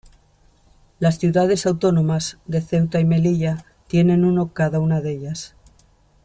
Las ciudades autónomas de Ceuta y Melilla tienen uno cada una de ellas.